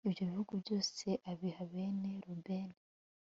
ibyo bihugu byose abiha bene rubeni